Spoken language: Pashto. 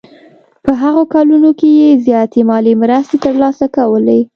په هغو کلونو کې یې زیاتې مالي مرستې ترلاسه کولې.